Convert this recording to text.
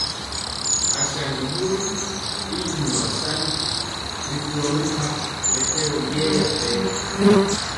Asaŋgi bori y nyuasani ri kolo mempah mɛtɛgɔ yɛya per.